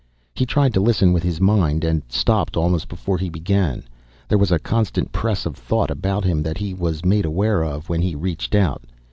He tried to listen with his mind and stopped almost before he began. There was a constant press of thought about him that he was made aware of when he reached out.